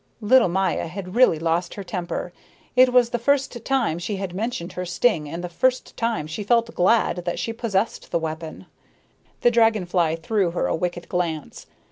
Little Maya had really lost her temper. It was the first time she had mentioned her sting and the first time she felt glad that she possessed the weapon. The dragon fly threw her a wicked glance.